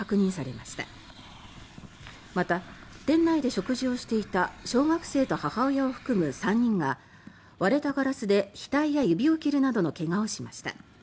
また、店内で食事をしていた小学生と母親を含む３人が割れたガラスで額や指を切るなどの怪我をしました。